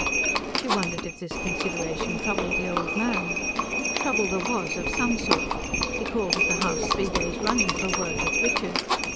She wondered if this consideration troubled the old man. Trouble there was, of some sort: he called at the house three days running for a word with Richard.